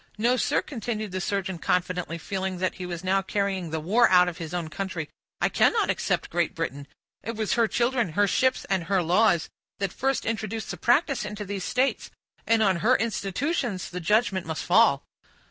"No, sir," continued the surgeon, confidently, feeling that he was now carrying the war out of his own country, "I cannot except Great Britain. It was her children, her ships, and her laws, that first introduced the practice into these states; and on her institutions the judgment must fall.